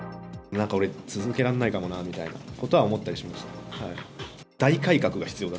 なんか俺、続けらんないかもなみたいなことは思ったりしました。